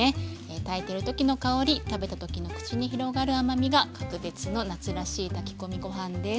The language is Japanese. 炊いてる時の香り食べた時の口に広がる甘みが格別の夏らしい炊き込みご飯です。